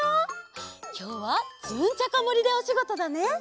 きょうはズンチャカもりでおしごとだね。